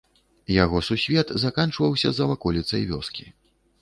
Яго сусвет заканчваўся за ваколіцай вёскі.